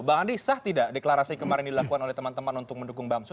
bang andi sah tidak deklarasi kemarin dilakukan oleh teman teman untuk mendukung bamsu